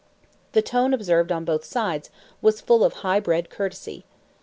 The tone observed on both sides was full of high bred courtesy.